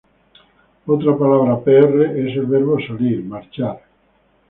Otra palabra 'pr" es el verbo 'salir, marchar'.